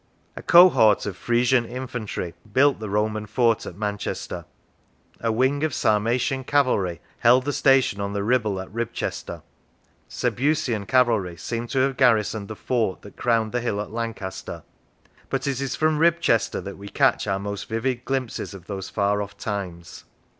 A cohort of Frisian infantry built the Roman fort at Manchester; a wing of Sarmatian cavalry held the station on the Kibble at Ribchester; Sebusian cavalry seem to have garrisoned the fort that crowned the hill at Lancaster; but it is from Ribchester that we catch our most vivid glimpses of those far off times.